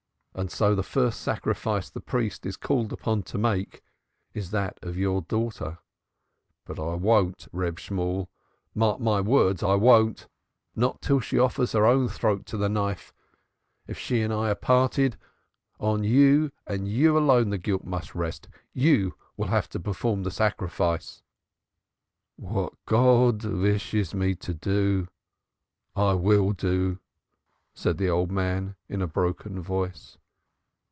"And so the first sacrifice the priest is called upon to make is that of your daughter. But I won't, Reb Shemuel, mark my words; I won't, not till she offers her own throat to the knife. If she and I are parted, on you and you alone the guilt must rest. You will have to perform the sacrifice." "What God wishes me to do I will do," said the old man in a broken voice.